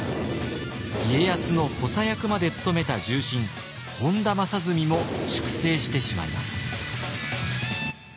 家康の補佐役まで務めた重臣本多正純も粛清してしまいます。